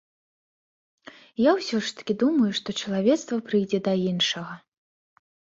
Я ўсё ж такі думаю, што чалавецтва прыйдзе да іншага.